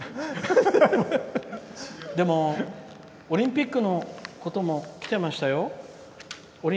でも、オリンピックのこともきてましたよ。